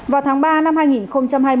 vào tháng ba năm hai nghìn hai mươi